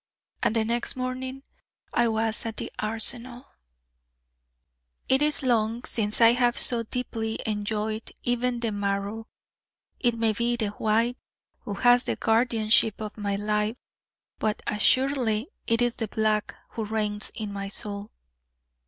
And the next morning I was at the Arsenal. It is long since I have so deeply enjoyed, even to the marrow. It may be 'the White' who has the guardianship of my life: but assuredly it is 'the Black' who reigns in my soul.